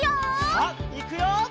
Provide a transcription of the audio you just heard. さあいくよ！